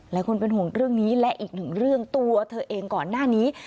หลายคนเป็นห่วงเรื่องนี้และอีกหนึ่งเรื่องตัวเธอเองก่อนหน้านี้